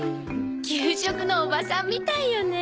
給食のおばさんみたいよね。